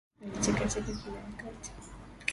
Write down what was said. Alichekacheka kila wakati